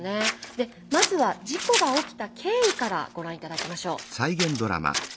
でまずは事故が起きた経緯からご覧頂きましょう。